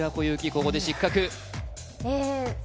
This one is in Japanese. ここで失格え